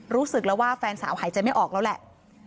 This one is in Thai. รู้สึกแล้วว่าแฟนสาวหายใจไม่ออกแล้วแหละ